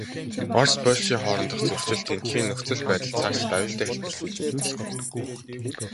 Орос, Польшийн хоорондын зөрчил, тэндхийн нөхцөл байдал, цаашид аюултай хэлбэрт шилжиж болох юм.